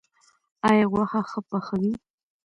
ایا غوښه ښه پخوئ؟